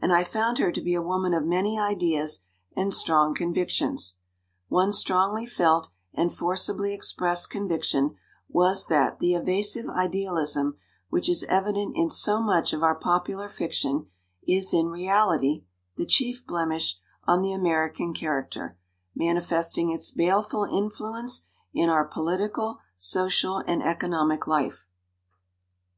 And I found her to be a woman of many ideas and strong convictions. One strongly felt and forcibly expressed conviction was that the "eva sive idealism" which is evident in so much of our 229 LITERATURE IN THE MAKING popular fiction is in reality the chief blemish on the American character, manifesting its baleful influence in our political, social, and economic life.